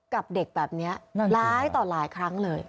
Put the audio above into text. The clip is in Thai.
กับเด็กแบบนี้ร้ายต่อหลายครั้งเลย